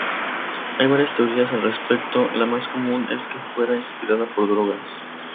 Hay varias teorías al respecto; La más común es que fuera inspirada por drogas.